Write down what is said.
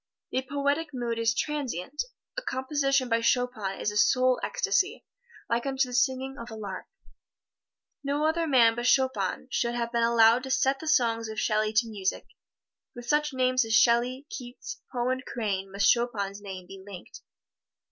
The poetic mood is transient. A composition by Chopin is a soul ecstasy, like unto the singing of a lark. No other man but Chopin should have been allowed to set the songs of Shelley to music. With such names as Shelley, Keats, Poe and Crane must Chopin's name be linked.